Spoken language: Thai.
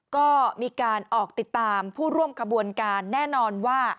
ก็มีการออกติดตามผู้ร่วมขบวนการแน่นอนว่า